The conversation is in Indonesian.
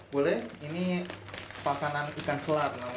boleh ini makanan ikan selat